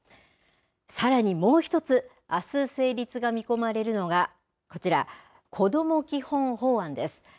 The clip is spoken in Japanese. さらにもう１つ、あす成立が見込まれるのが、こちら、こども基本法案です。